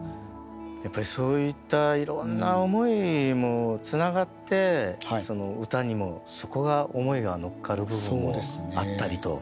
やっぱりそういったいろんな思いもつながって唄にもそこが思いがのっかる部分もあったりと。